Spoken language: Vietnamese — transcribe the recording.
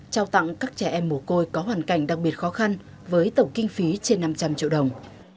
trao tặng các trẻ em mồ côi có hoàn cảnh đặc biệt khó khăn với tổng kinh phí trên năm trăm linh triệu đồng